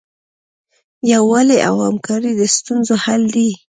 یووالی او همکاري د ستونزو حل دی.